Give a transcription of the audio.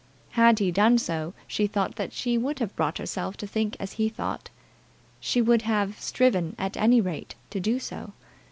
Had he done so, she thought that she would have brought herself to think as he thought. She would have striven, at any rate, to do so.